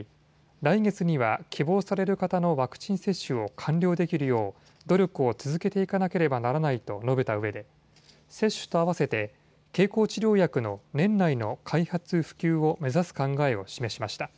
来月には希望される方のワクチン接種を完了できるよう努力を続けていかなければならないと述べたうえで接種と合わせて経口治療薬の年内の開発・普及を目指す考えを示しました。